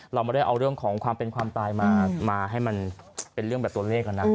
เราไม่ได้เอาเรื่องของความเป็นความตายมาให้มันเป็นเรื่องแบบตัวเลขนะ